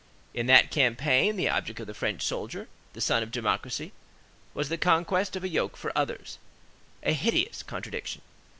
In that campaign, the object of the French soldier, the son of democracy, was the conquest of a yoke for others. A hideous contradiction.